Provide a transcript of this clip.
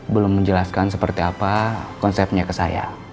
belum menjelaskan seperti apa konsepnya ke saya